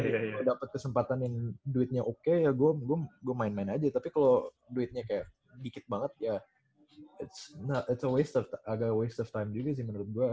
kalo dapet kesempatan yang duitnya oke ya gua main main aja tapi kalo duitnya kayak dikit banget ya it s a waste of time juga sih menurut gua